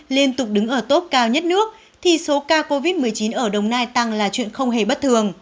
liên tục đứng ở tốt cao nhất nước thì số ca covid một mươi chín ở đồng nai tăng là chuyện không hề bất thường